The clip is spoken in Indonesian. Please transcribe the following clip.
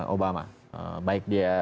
obama baik dia